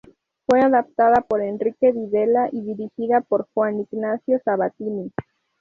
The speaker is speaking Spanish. Fue adaptada por Enrique Videla y dirigida por Juan Ignacio Sabatini.